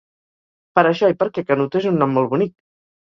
Per això i perquè Canut és un nom molt bonic.